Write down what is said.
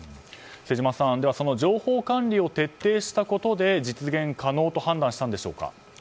瀬島さん、ではその情報管理を徹底したことで実現可能と判断したのでしょうか。